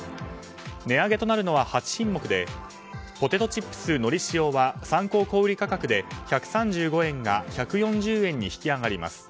値上げとなるのは８品目でポテトチップスのり塩は参考小売価格で１３５円が１４０円に引き上がります。